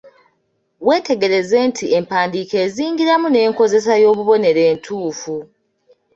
Weetegereze nti empandiika ezingiramu n’enkozesa y’obubonero entuufu.